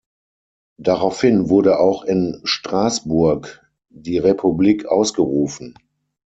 Daraufhin wurde auch in Straßburg die Republik ausgerufen.